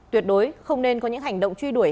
tuyệt đối không nên có những hành động truy đuổi